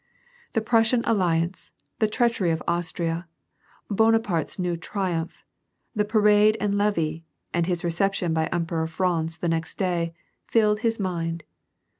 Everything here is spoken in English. The Prussian alliance, the treachery of Austria, Bonaparte's new triumph, the parade and levee, and his reception by the Emperor Franz the next day, filled his mind.